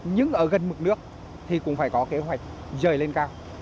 nhưng ở gần mực nước thì cũng phải có kế hoạch rời lên cao